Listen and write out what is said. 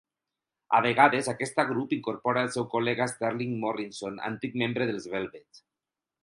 A vegades aquesta grup incorpora el seu col·lega Sterling Morrison, antic membre dels Velvets.